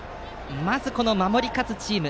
まず守り勝つチーム。